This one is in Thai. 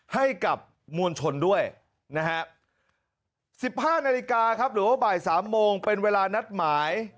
ให้กับมวลชนด้วยนะฮะ๑๕นาฬิกาครับหรือว่าบ่าย๓โมงเป็นเวลานัดหมาย